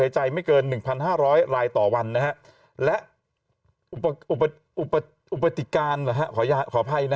หายใจไม่เกิน๑๕๐๐ลายต่อวันนะและอุปธิการขอยาขอภัยนะ